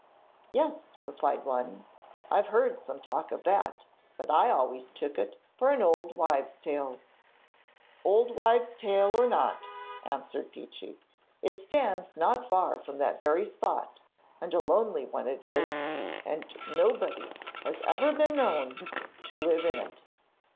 'Yes,' replied one; 'I've heard some talk of that, but I always took it for an old wives' tale.' 'Old wives' tale or not,' answered Peechy, 'it stands not far from that very spot and a lonely one it is, and nobody has ever been known to live in it.